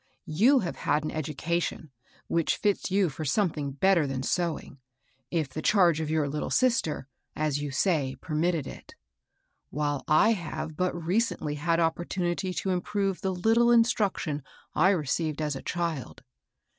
You have had an education which fits you for something better than sewing, if the charge of your little sister, as you say, permitted it ; while I have but recently had opportunity to improve the little instruction I re ceived as a child.